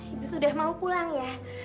ibu sudah mau pulang ya